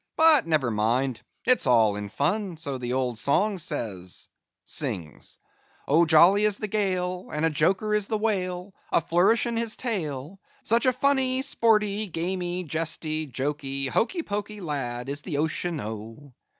But never mind; it's all in fun: so the old song says;"— Oh! jolly is the gale, And a joker is the whale, A' flourishin' his tail,— Such a funny, sporty, gamy, jesty, joky, hoky poky lad, is the Ocean, oh!